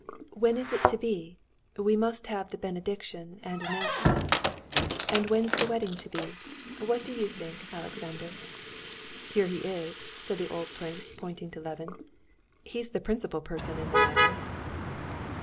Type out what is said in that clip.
"When is it to be? We must have the benediction and announcement. And when's the wedding to be? What do you think, Alexander?" "Here he is," said the old prince, pointing to Levin—"he's the principal person in the matter."